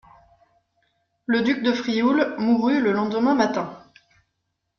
Le duc de Frioul mourut le lendemain matin.